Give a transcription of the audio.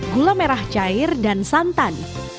gula merah cair dan santan